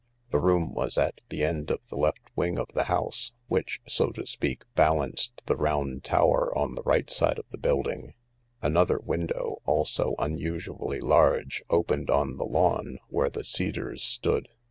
The room was at the end of the left wing of the house, which, so to speak, balanced the round tower on the right side of the building. Another window, also unusually large, opened on the lawn where the cedars stood.